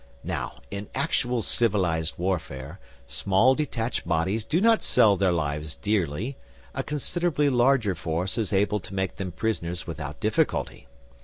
Now, in actual civilised warfare small detached bodies do not sell their lives dearly; a considerably larger force is able to make them prisoners without difficulty.